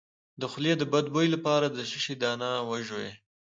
د خولې د بد بوی لپاره د څه شي دانه وژويئ؟